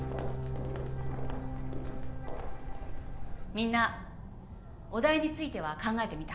みんなお題については考えてみた？